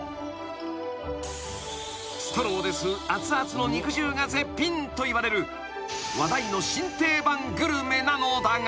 ［ストローで吸うあつあつの肉汁が絶品といわれる話題の新定番グルメなのだが］